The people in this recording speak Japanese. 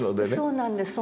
そうなんです。